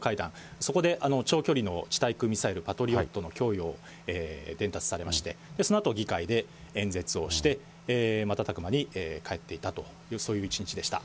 そこで長距離の地対空ミサイル、パトリオットの供与を伝達されまして、そのあと議会で演説をして、瞬く間に帰っていったと、そういう一日でした。